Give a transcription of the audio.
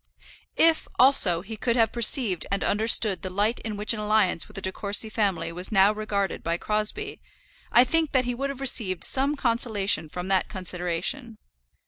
If, also, he could have perceived and understood the light in which an alliance with the De Courcy family was now regarded by Crosbie, I think that he would have received some consolation from that consideration.